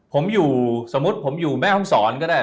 ผมอยู่สมมุติผมอยู่แม่ห้องศรก็ได้